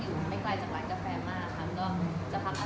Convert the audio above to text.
อยากจะพักอาศัยอยู่ที่นั้น